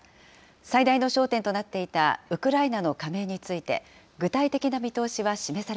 最大の焦点となっていたウクライナの加盟について、具体的な見通